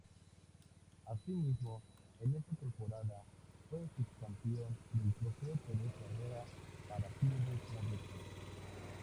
Así mismo en esta temporada fue subcampeón del Trofeo Teresa Herrera para clubes modestos.